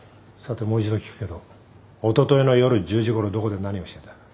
さてもう一度聞くけどおとといの夜１０時ごろどこで何をしてた？